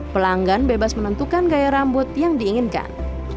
pelanggan bebas menentukan gaya rambut yang diinginkan